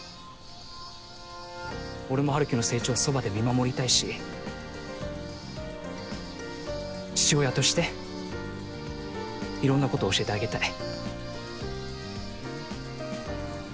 俺も春樹の成長をそばで見守りたいし父親としていろんなことを教えてあげたい。